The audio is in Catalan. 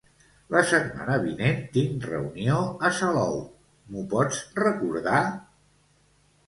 La setmana vinent tinc reunió a Salou, m'ho pots recordar?